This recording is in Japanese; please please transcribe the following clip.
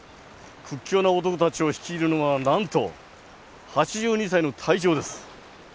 屈強な男たちを率いるのはなんと８２歳の隊長です。